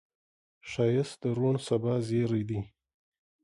ښایست د روڼ سبا زیری دی